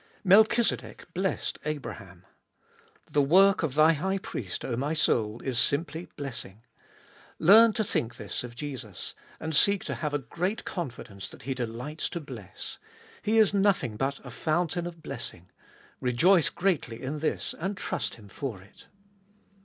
1. Melchizedek blessed Abraham. The work of thy High Priest, 0 my soul, is simply blessing. Learn to think this of Jesus, and seek to have a great confidence that He delights to bless. He is nothing but a fountain of blessing ; rejoice greatly in this and trust Him for it.